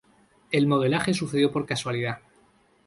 El modelaje sucedió por casualidad.